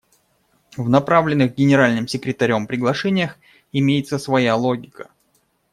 В направленных Генеральным секретарем приглашениях имеется своя логика.